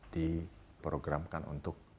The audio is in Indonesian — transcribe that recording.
di programkan untuk